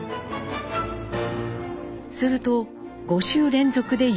すると５週連続で優勝。